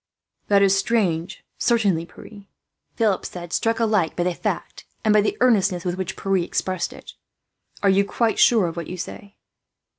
"That is strange, certainly, Pierre," Philip said, struck alike by the fact and by the earnestness with which Pierre expressed it. "Are you quite sure of what you say?"